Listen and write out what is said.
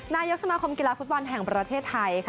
นายกสมาคมกีฬาฟุตบอลแห่งประเทศไทยค่ะ